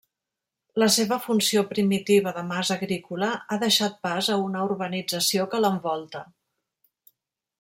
La seva funció primitiva de mas agrícola ha deixat pas a una urbanització que l'envolta.